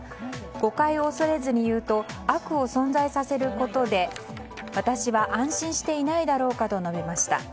誤解を恐れずに言うと悪を存在させることで私は安心していないだろうかと述べました。